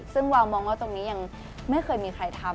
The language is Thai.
ซึ่งวาวมองว่าตรงนี้ยังไม่เคยมีใครทำ